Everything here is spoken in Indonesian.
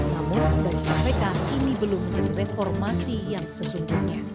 namun bagi kpk ini belum menjadi reformasi yang sesungguhnya